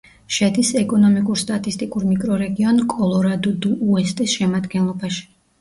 შედის ეკონომიკურ-სტატისტიკურ მიკრორეგიონ კოლორადუ-დუ-უესტის შემადგენლობაში.